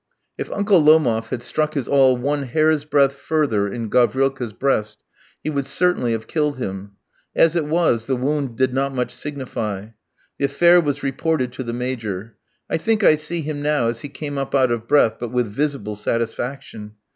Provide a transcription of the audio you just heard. If Uncle Lomof had struck his awl one hair's breadth further in Gavrilka's breast he would certainly have killed him; as it was, the wound did not much signify. The affair was reported to the Major. I think I see him now as he came up out of breath, but with visible satisfaction.